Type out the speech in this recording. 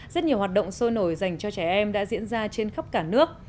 rất nhiều hoạt động sôi nổi dành cho trẻ em đã diễn ra trên khắp cả nước